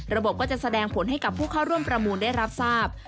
ก็จะแสดงผลให้กับผู้เข้าร่วมประมูลได้รับทราบ